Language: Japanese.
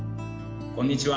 こんにちは。